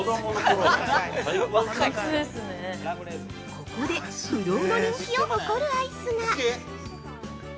◆ここで不動の人気を誇るアイスが。